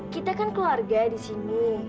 kita kan keluarga disini